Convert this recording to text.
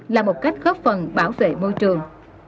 là một cách góp phần bảo vệ môi trường